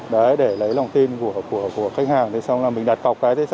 để lấy lòng tin của khách hàng xong rồi mình đặt cọc cái